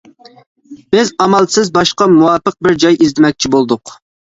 بىز ئامالسىز باشقا مۇۋاپىق بىر جاي ئىزدىمەكچى بولدۇق.